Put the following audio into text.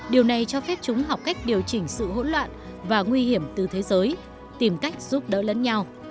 điều này cho phép chúng học cách điều chỉnh sự hỗn loạn và nguy hiểm từ thế giới tìm cách giúp đỡ lẫn nhau